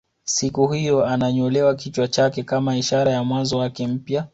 Siku hiyo ananyolewa kichwa chake kama ishara ya mwanzo wake mpya